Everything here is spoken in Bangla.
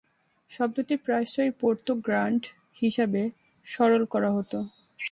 শব্দটি প্রায়শই পোর্তো গ্র্যান্ড হিসাবে সরল করা হত।